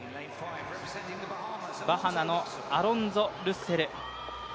バハマのアロンゾ・ルッセル。